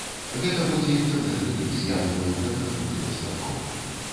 Гэта будзе інтэрнэт-рэліз, я думаю, гэтага будзе дастаткова.